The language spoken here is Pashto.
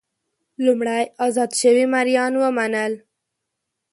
لومړی ازاد شوي مریان ومنل.